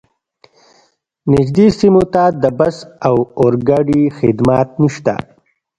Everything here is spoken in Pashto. نږدې سیمو ته د بس او اورګاډي خدمات نشته